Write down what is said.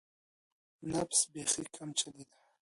نبض یې بیخي کم چلیده.